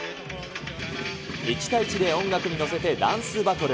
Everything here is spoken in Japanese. １対１で音楽に乗せてダンスバトル。